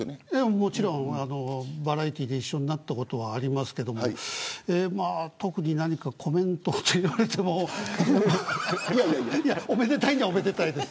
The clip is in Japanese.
もちろんバラエティーで一緒になったことはありますが特に何かコメントをと言われてもおめでたいのはおめでたいです。